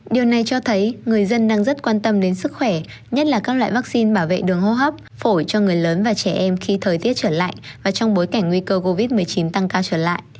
điều này cho thấy người dân đang rất quan tâm đến sức khỏe nhất là các loại vaccine bảo vệ đường hô hấp phổi cho người lớn và trẻ em khi thời tiết trở lại và trong bối cảnh nguy cơ covid một mươi chín tăng cao trở lại